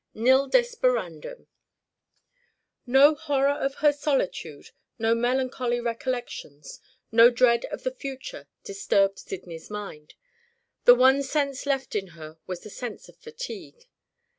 Nil Desperandum. No horror of her solitude, no melancholy recollections, no dread of the future disturbed Sydney's mind. The one sense left in her was the sense of fatigue.